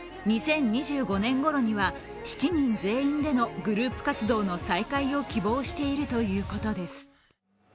２０２５年ごろには７人全員でのグループ活動の再開を希望しているということです。